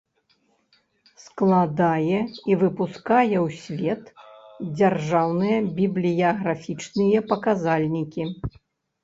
Складае i выпускае ў свет дзяржаўныя бiблiяграфiчныя паказальнiкi.